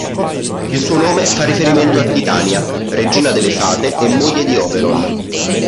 Il suo nome fa riferimento a Titania, regina delle fate e moglie di Oberon.